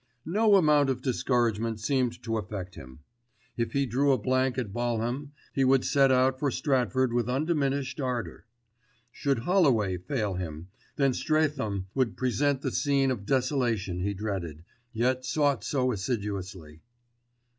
No amount of discouragement seemed to affect him. If he drew a blank at Balham, he would set out for Stratford with undiminished ardour. Should Holloway fail him, then Streatham would present the scene of desolation he dreaded, yet sought so assiduously.